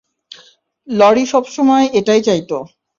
Lorry সবসময় এটাই চাইত।